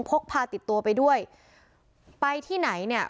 พกพาติดตัวไปด้วยไปที่ไหนเนี่ย